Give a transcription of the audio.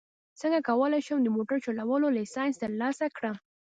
څنګه کولی شم د موټر چلولو لایسنس ترلاسه کړم